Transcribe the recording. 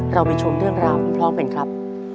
เราไปชมเรื่องราวของพ่อเห็นครับ